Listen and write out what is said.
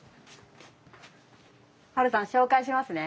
ハルさん紹介しますね。